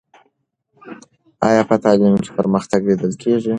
آیا په تعلیم کې پرمختګ لیدل کېږي؟